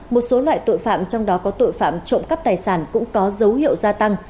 một số loại tội phạm trong đó có tội phạm trộm cắp tài sản cũng có dấu hiệu gia tăng